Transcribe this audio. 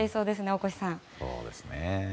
大越さん。